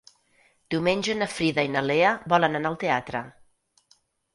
Diumenge na Frida i na Lea volen anar al teatre.